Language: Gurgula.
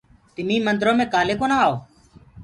تمي مندرو مي ڪآلي ڪونآ آئو؟